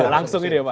langsung ini ya pak